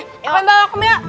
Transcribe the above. apa yang bawa ke mia